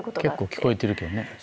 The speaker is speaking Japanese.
結構聞こえてるけどね。